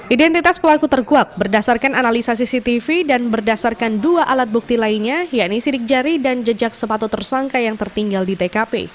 identitas pelaku terkuak berdasarkan analisa cctv dan berdasarkan dua alat bukti lainnya yakni sidik jari dan jejak sepatu tersangka yang tertinggal di tkp